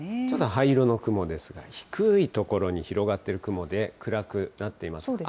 ちょっと灰色の雲ですが、低い所に広がっている雲で、暗くなっています。